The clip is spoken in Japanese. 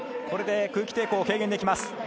これで空気抵抗を軽減できます。